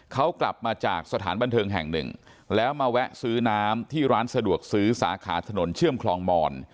เขากลับมาจากสถานบันเทิงแห่งหนึ่งแล้วมาแวะซื้อน้ำที่ร้านสะดวกซื้อสาขาถนนเชื่อมคลองมอน